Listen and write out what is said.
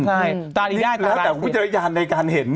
แล้วแต่วิทยาลัยในการเห็น